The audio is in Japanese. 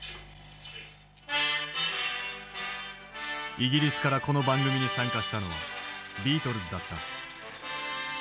イギリスからこの番組に参加したのはビートルズだった。